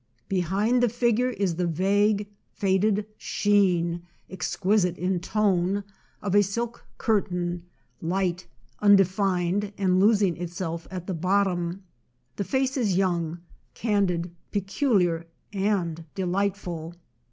Behind the figure is the vague faded sheen, exquisite in tone, of a silk curtain, light, undefined, and losing itself at the bottom. The face is young, candid, peculiar, and delightful.